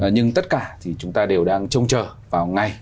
nhưng tất cả thì chúng ta đều đang trông chờ vào ngày